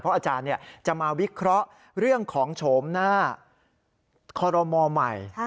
อาจารย์จะมาวิเคราะห์เรื่องของโฉมหน้าคอรมอลใหม่